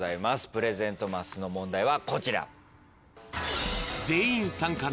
プレゼントマスの問題はこちら。